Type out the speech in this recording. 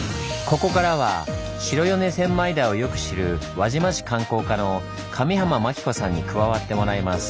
ここからは白米千枚田をよく知る輪島市観光課の上濱真紀子さんに加わってもらいます。